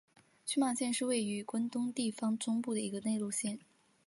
群马县是位于关东地方中部的一个内陆县。